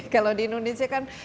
kalau di indonesia kan